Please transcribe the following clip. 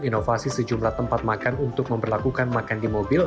inovasi sejumlah tempat makan untuk memperlakukan makan di mobil